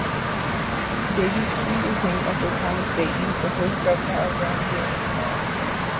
Davey street is named after Thomas Davey, the first Governor of Van Diemen's Land.